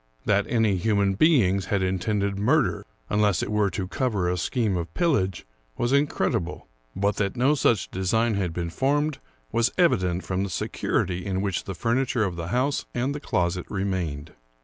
That any human beings had intended murder, unless it were to cover a scheme of pillage, was incredible; but that no such design had been formed was evident from the security in which the furni ture of the house and the closet remained.